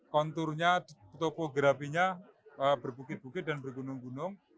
konturnya topografinya berbukit bukit dan bergunung gunung